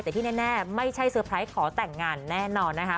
แต่ที่แน่ไม่ใช่เตอร์ไพรส์ขอแต่งงานแน่นอนนะคะ